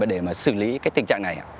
để xử lý tình trạng này